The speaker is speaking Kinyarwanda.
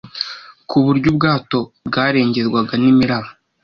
ku buryo ubwato bwarengerwaga n imiraba